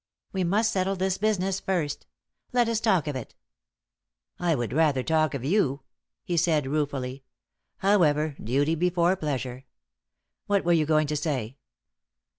We must settle this business first. Let us talk of it." "I would rather talk of you," he said, ruefully. "However, duty before pleasure. What were you going to say?"